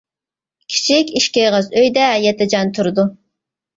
كىچىك ئىككى ئېغىز ئۆيدە يەتتە جان تۇرىدۇ.